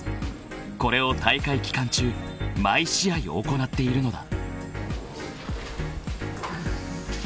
［これを大会期間中毎試合行っているのだ］